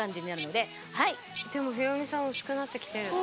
でもヒロミさん薄くなって来てる。